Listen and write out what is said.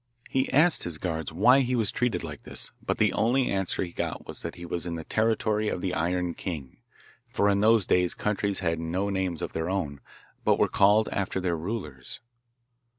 He asked his guards why he was treated like this, but the only answer he got was that he was in the territory of the Iron King, for in those days countries had no names of their own, but were called after their rulers.